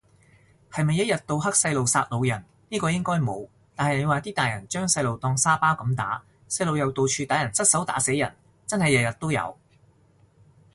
係咪一日到黑細路殺老人，呢個應該冇，但係你話啲大人將細路當沙包咁打，細路又到處打人失手打死人，真係日日都有